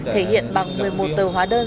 thể hiện bằng một mươi một tờ hoa đơn